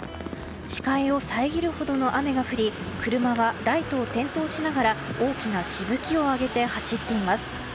視界を遮るほどの雨が降り車はライトを点灯しながら大きなしぶきを上げて走っています。